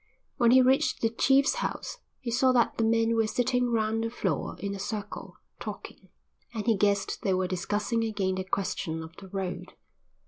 When he reached the chief's house he saw that the men were sitting round the floor in a circle, talking, and he guessed they were discussing again the question of the road.